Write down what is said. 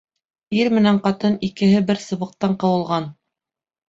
Ир менән ҡатын икеһе бер сыбыҡтан ҡыуылған.